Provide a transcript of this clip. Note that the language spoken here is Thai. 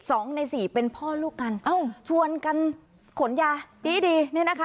สองในสี่เป็นพ่อลูกกันเอ้าชวนกันขนยาดีดีเนี่ยนะคะ